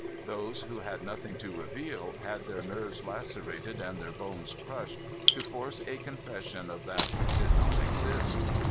Those who had nothing to reveal, had their nerves lacerated and their bones crushed to force a confession of that which did not exist.